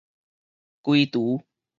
歸除